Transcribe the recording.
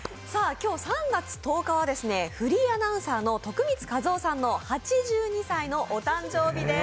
今日３月１０日はフリーアナウンサーの徳光和夫さんの８２歳のお誕生日です。